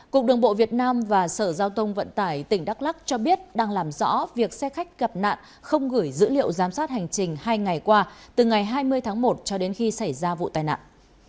cục đường bộ việt nam và sở giao thông vận tải tỉnh đắk lắc cho biết đang làm rõ việc xe khách gặp nạn không gửi dữ liệu giám sát hành trình hai ngày qua từ ngày hai mươi tháng một cho đến khi xảy ra vụ tai nạn